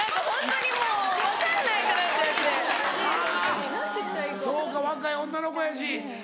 あぁそうか若い女の子やし。